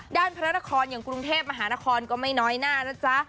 พระนครอย่างกรุงเทพมหานครก็ไม่น้อยหน้านะจ๊ะ